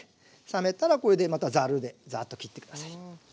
冷めたらこれでまたざるでザーッときって下さい。